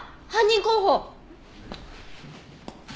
犯人候補。